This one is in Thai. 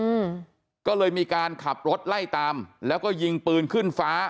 อืมก็เลยมีการขับรถไล่ตามแล้วก็ยิงปืนขึ้นฟ้า